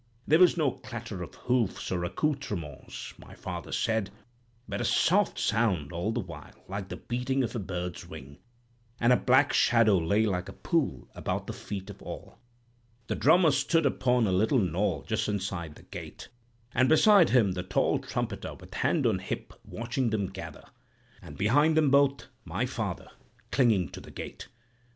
There was no clatter of hoofs or accoutrements, my father said, but a soft sound all the while like the beating of a bird's wing; and a black shadow lay like a pool about the feet of all. The drummer stood upon a little knoll just inside the gate, and beside him the tall trumpeter, with hand on hip, watching them gather; and behind them both my father, clinging to the gate.